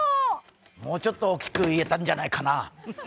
もうちょっと大きく言えたんじゃないかな。